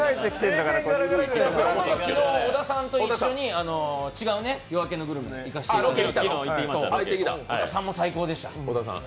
それこそ昨日、小田さんと一緒に違う「夜明けのグルメ」、行かせていただいて、小田さんも最高でした。